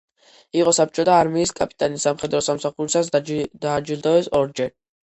იყო საბჭოთა არმიის კაპიტანი, სამხედრო სამსახურისას დააჯილდოვეს ორჯერ.